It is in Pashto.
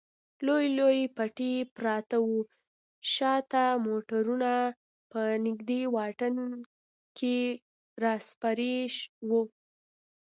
لوی لوی پټي پراته و، شا ته موټرونه په نږدې واټن کې راپسې و.